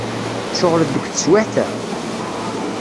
Tceɣleḍ deg teswiɛt-a?